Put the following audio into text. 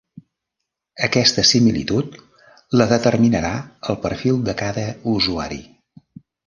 Aquesta similitud la determinarà el perfil de cada usuari.